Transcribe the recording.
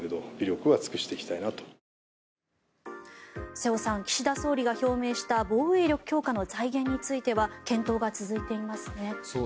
瀬尾さん岸田総理が表明した防衛力強化の財源については検討が続いていますね。